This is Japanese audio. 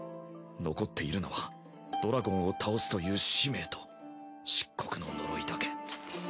残っているのはドラゴンを倒すという使命と漆黒の呪いだけ。